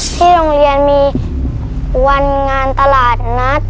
ที่โรงเรียนมีวันงานตลาดนัด